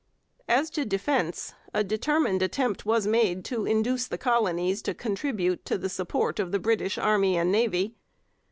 As to defence, a determined attempt was made to induce the colonies to contribute to the support of the British army and navy.